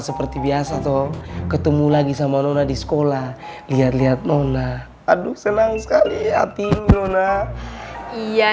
seperti biasa tuh ketemu lagi sama nona di sekolah lihat lihat nona aduh senang sekali api nonak iya